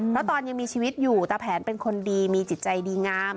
เพราะตอนยังมีชีวิตอยู่ตาแผนเป็นคนดีมีจิตใจดีงาม